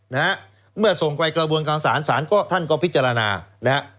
นะฮะเมื่อส่งไปกระบวนการศาลศาลก็ท่านก็พิจารณานะฮะ